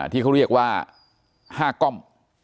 ที่เขาเรียกว่า๕กล้อง